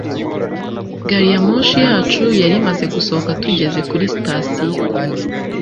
gariyamoshi yacu yari imaze gusohoka tugeze kuri sitasiyo